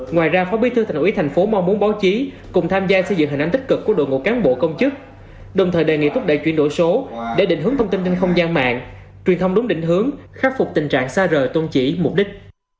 ngoài ra phó bí thư thành ủy tp mong muốn báo chí cùng tham gia xây dựng hình ảnh tích cực của đội ngũ cán bộ công chức đồng thời đề nghị thúc đẩy chuyển đổi số để định hướng thông tin trên không gian mạng truyền thông đúng định hướng khắc phục tình trạng xa rời tôn trị mục đích